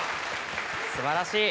素晴らしい。